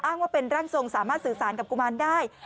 ว่าเป็นร่างทรงสามารถสื่อสารกับกุมารได้